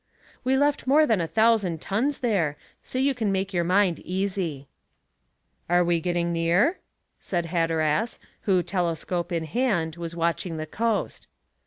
"We left more than a thousand tons there, so you can make your mind easy." "Are we getting near?" said Hatteras, who, telescope in hand, was watching the coast.